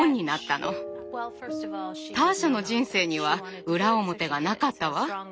ターシャの人生には裏表がなかったわ。